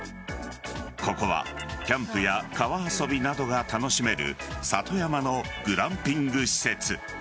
ここはキャンプや川遊びなどが楽しめる里山のグランピング施設。